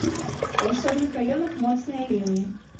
У асобных раёнах моцныя ліўні.